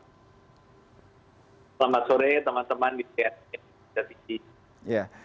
selamat sore teman teman di kesehatan republik indonesia